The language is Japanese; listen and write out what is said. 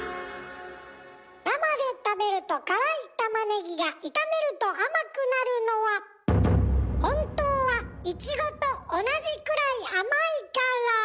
生で食べると辛いたまねぎが炒めると甘くなるのは本当はいちごと同じくらい甘いから。